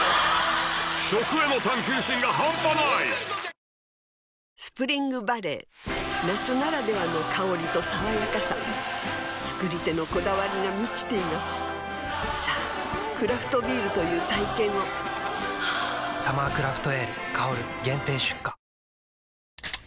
さらにスプリングバレー夏ならではの香りと爽やかさ造り手のこだわりが満ちていますさぁクラフトビールという体験を「サマークラフトエール香」限定出荷